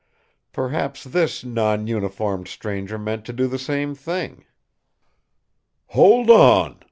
Perhaps this non uniformed stranger meant to do the same thing. "Hold on!"